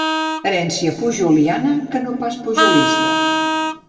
Herència pujoliana, que no pas pujolista.